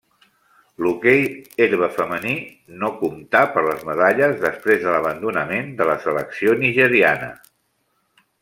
L'hoquei herba femení no comptà per les medalles després de l'abandonament de la selecció nigeriana.